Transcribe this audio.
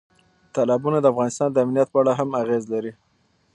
تالابونه د افغانستان د امنیت په اړه هم اغېز لري.